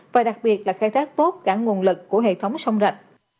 và đặc biệt là khai thác tốt cả nguồn lực của hệ thống sông rạch